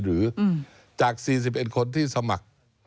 หรือจาก๔๑คนที่สมัคร